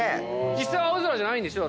実際青空じゃないでしょ。